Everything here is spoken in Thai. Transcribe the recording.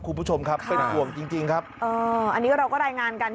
คุณผู้ชมครับเป็นห่วงจริงจริงครับอ๋ออันนี้เราก็รายงานกัน